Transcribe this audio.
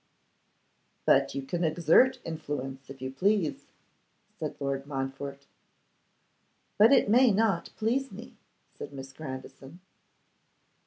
'But you can exert influence, if you please,' said Lord Montfort. 'But it may not please me,' said Miss Grandison.